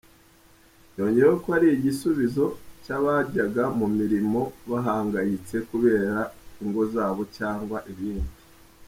Yongeyeho ko ari igisubizo cy’abajyaga mu mirimo bahangayitse kubera ingo zabo cyangwa ibindi.